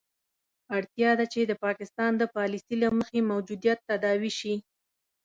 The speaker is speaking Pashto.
اړتیا ده چې د پاکستان د پالیسي له مخې موجودیت تداوي شي.